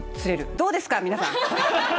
どうですか皆さん。